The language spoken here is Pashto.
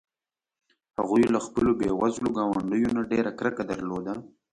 هغوی له خپلو بې وزلو ګاونډیو نه ډېره کرکه درلوده.